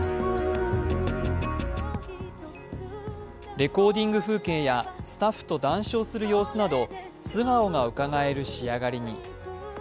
レコーディング風景やスタッフと談笑する光景など素顔がうかがえる仕上がりに。